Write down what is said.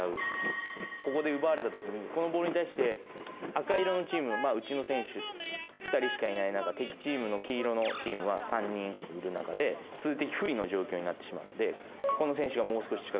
ここで奪われたときにこのボールに対して赤色のチームうちの選手２人しかいない中敵チームの黄色のチームは３人いる中で数的不利の状況になってしまうのでこの選手がもう少し近かったり